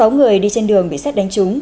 sáu người đi trên đường bị xét đánh trúng